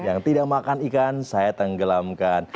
yang tidak makan ikan saya tenggelamkan